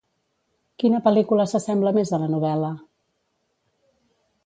Quina pel·lícula s'assembla més a la novel·la?